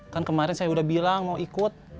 kan kemarin saya udah bilang mau ikut